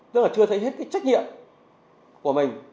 rất là chưa thấy hết trách nhiệm của mình